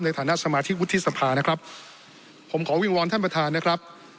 ในฐานะสมาชิกวุฒิสภานะครับผมขอวิงวอนท่านประธานนะครับ